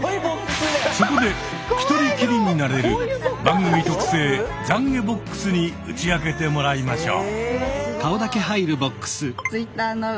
そこで一人きりになれる番組特製懺悔ボックスに打ち明けてもらいましょう。